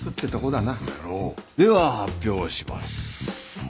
では発表します。